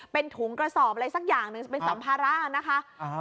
เป็นถุงกระสอบอะไรสักอย่างหนึ่งเป็นสัมภาระนะคะ